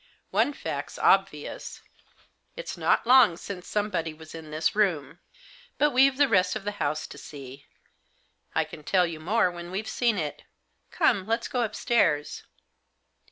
One fact's obvious, it's not long since somebody was in this room. But we've the rest of the house to see ; I can tell you more when we've seen it. Come, let's go upstairs."